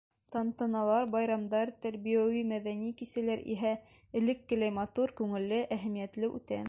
Тантаналар, байрамдар, тәрбиәүи, мәҙәни кисәләр иһә элеккеләй матур, күңелле, әһәмиәтле үтә.